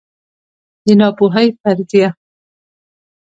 د ناپوهۍ فرضیه